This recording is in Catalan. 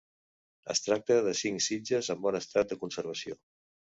Es tracta de cinc sitges en bon estat de conservació.